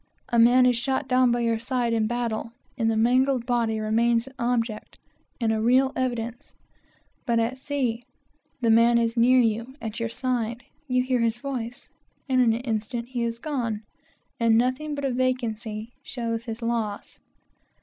A man is shot down by your side in battle, and the mangled body remains an object, and a real evidence; but at sea, the man is near you at your side you hear his voice, and in an instant he is gone, and nothing but a vacancy shows his loss.